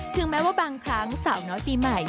ถึงแม้ว่าบางครั้งสาวน้อยปีใหม่